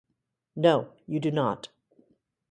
No, you do not.